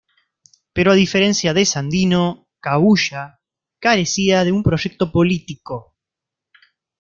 Pero a diferencia de Sandino, ""Cabuya"" carecía de un proyecto político.